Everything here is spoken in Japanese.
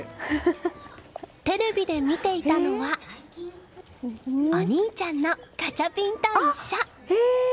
テレビで見ていたのはお兄ちゃんのガチャピンといっしょ！